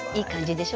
でしょ？